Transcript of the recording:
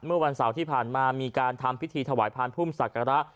เมื่อวันเสาร์ที่ผ่านมามีการทำพิธีถวายพานพุ่มศักระ